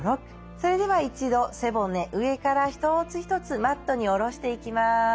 それでは一度背骨上から一つ一つマットに下ろしていきます。